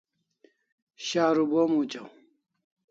Sharu bo muchaw